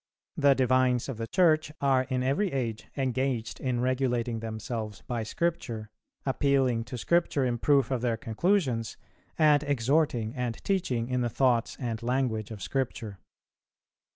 The divines of the Church are in every age engaged in regulating themselves by Scripture, appealing to Scripture in proof of their conclusions, and exhorting and teaching in the thoughts and language of Scripture.